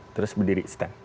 terus berdiri stand